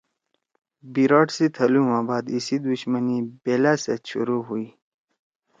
بیراٹ سی تھلُو ما بعد ایسی دشمنی بیلأ سیت شروع ہوئی۔